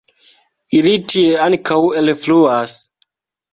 Ili tie ankaŭ elfluas.